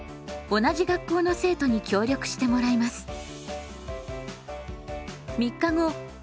同じ学校の生徒に協力してもらいます。